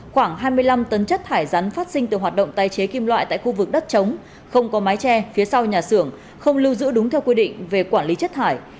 khoảng hai mươi năm tấn chất thải rắn phát sinh từ hoạt động tái chế kim loại tại khu vực đất chống không có mái che phía sau nhà xưởng không lưu giữ đúng theo quy định về quản lý chất thải